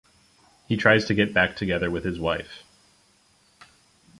He tries to get back together with his wife.